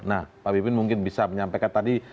nah pak bipin mungkin bisa menyampaikan tadi